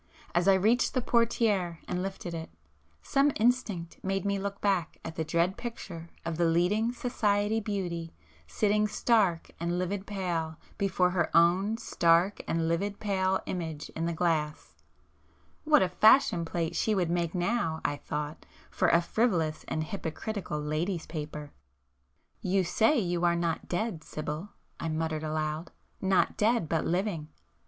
As I reached the portiére and lifted it, some instinct made me look back at the dread picture of the leading "society" beauty sitting stark and livid pale before her own stark and livid pale image in the glass,—what a "fashion plate" she would make now, I thought, for a frivolous and hypocritical "ladies' paper!" "You say you are not dead, Sibyl!" I muttered aloud—"Not dead, but living!